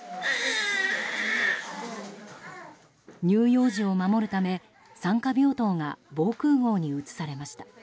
乳幼児を守るため、産科病棟が防空壕に移されました。